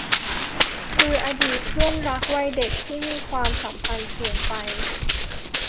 คืออดีตเพื่อนรักวัยเด็กที่ความสัมพันธ์เปลี่ยนไป